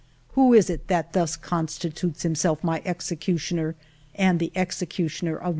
Who is it that thus constitutes himself my executioner and the executioner of my dear ones